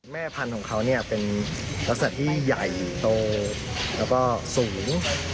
แม่พันธุ์ของเขาเป็นลักษณะที่ใหญ่โตแล้วก็สูง